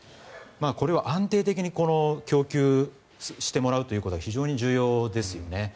これを安定的に供給してもらうということが非常に重要ですよね。